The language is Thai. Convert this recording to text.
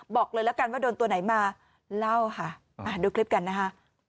บอกเลยละกันว่าโดนตัวไหนมาเล่าค่ะดูคลิปกันนะคะ